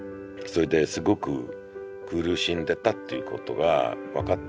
それですごく苦しんでたっていうことが分かって。